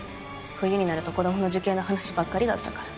冬になると子供の受験の話ばっかりだったから。